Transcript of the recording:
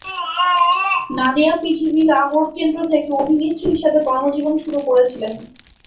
Nadia PTV Lahore কেন্দ্র থেকে অভিনেত্রী হিসাবে কর্মজীবন শুরু করেছিলেন।